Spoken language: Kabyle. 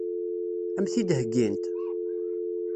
Ad m-t-id-heggint?